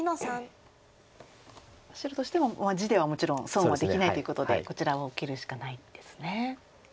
白としても地ではもちろん損はできないということでこちらを切るしかないんですね。